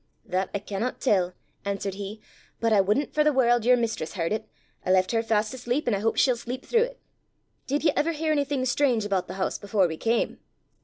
'That I cannot tell,' answered he; 'but I wouldn't for the world your mistress heard it! I left her fast asleep, and I hope she'll sleep through it. Did you ever hear anything strange about the house before we came?